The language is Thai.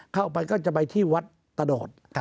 เข้าไปก็จะไปที่วัดตะโดด